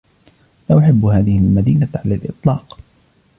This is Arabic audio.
لا أحب هذه المدينة على الإطلاق.